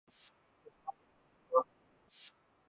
福島県白河市